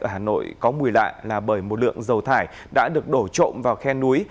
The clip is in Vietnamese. ở hà nội có mùi lạ là bởi một lượng dầu thải đã được đổ trộm vào khe núi